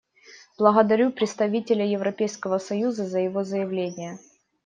Благодарю представителя Европейского союза за его заявление.